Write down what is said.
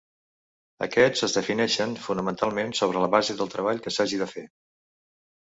Aquests es defineixen, fonamentalment, sobre la base del treball que s'hagi de fer.